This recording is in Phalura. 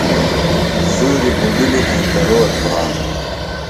سُوریۡ بُڈلِیۡ ہنتہ روت بھانوۡ۔